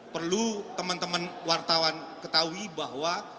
perlu teman teman wartawan ketahui bahwa